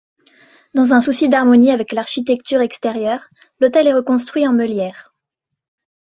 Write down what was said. Dans un souci d'harmonie avec l'architecture extérieure, l'autel est reconstruit en meulière.